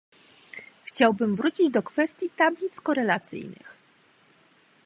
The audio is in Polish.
Chciałbym wrócić do kwestii tablic korelacyjnych